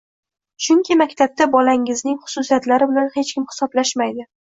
chunki maktabda bolangizning xususiyatlari bilan hech kim hisoblashmaydi.